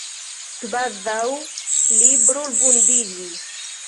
Kvazaŭ li brulvundiĝis.